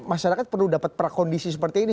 masyarakat perlu dapat prakondisi seperti ini